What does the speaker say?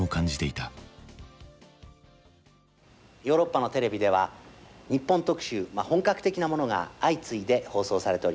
ヨーロッパのテレビでは日本特集まあ本格的なものが相次いで放送されております。